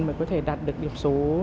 mới có thể đạt được điểm số